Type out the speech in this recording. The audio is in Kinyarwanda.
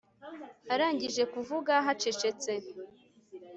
Arangije kuvuga hacecetse